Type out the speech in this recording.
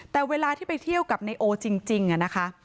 แต่เวลาที่ไปเที่ยวกับนายโอจริงนะคะ